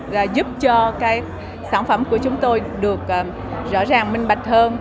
là giúp cho cái sản phẩm của chúng tôi được rõ ràng minh bạch hơn